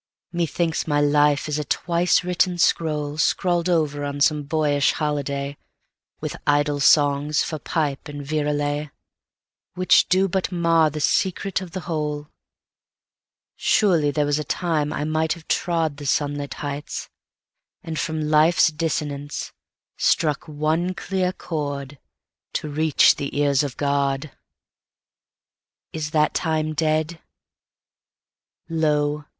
—Methinks my life is a twice written scrollScrawled over on some boyish holidayWith idle songs for pipe and virelayWhich do but mar the secret of the whole. Surely there was a time I might have trodThe sunlit heights, and from life's dissonanceStruck one clear chord to reach the ears of God:Is that tine dead? lo!